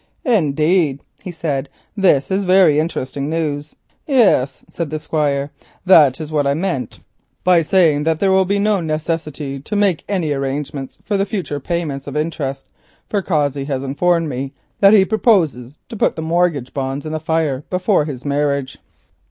"Indeed," he said, "this is very interesting news." "Yes," said the Squire. "That is what I meant by saying that there would be no necessity to make any arrangements as to the future payment of interest, for Cossey has informed me that he proposes to put the mortgage bonds in the fire before his marriage."